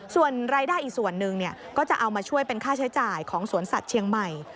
ส่วนรายได้อีกส่วนหนึ่งก็จะเอามาช่วยเป็นค่าใช้จ่ายของสวนสัตว์เชียงใหม่